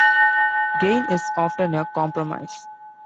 Gain is often a compromise.